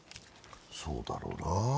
そうだろうな。